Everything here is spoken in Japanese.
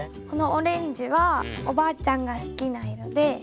このオレンジはおばあちゃんが好きな色で。